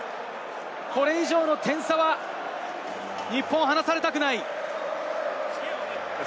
これ以上の点差は、日本、離されたくない。